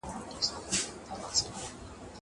زه له سهاره کتابتون ته راځم.